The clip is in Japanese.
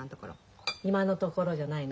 今のところじゃないの。